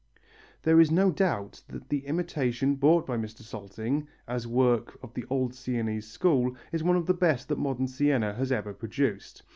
There is no doubt that the imitation bought by Mr. Salting as work of the old Sienese school is one of the best that modern Siena has ever produced.